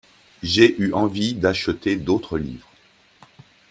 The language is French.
J'avais eu envie d'acheter d'autres livres.